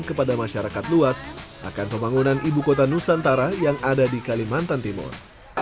kepada masyarakat luas akan pembangunan ibu kota nusantara yang ada di kalimantan timur